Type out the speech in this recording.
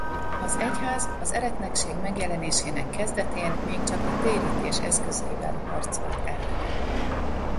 Az egyház az eretnekség megjelenésének kezdetén még csak a térítés eszközeivel harcolt ellene.